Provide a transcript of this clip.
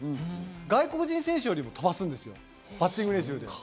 外国人選手より飛ばすんです、バッティング練習で。